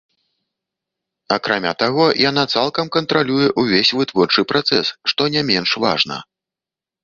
Акрамя таго, яна цалкам кантралюе ўвесь вытворчы працэс, што не менш важна.